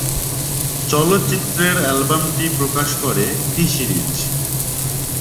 চলচ্চিত্রের অ্যালবামটি প্রকাশ করে টি-সিরিজ।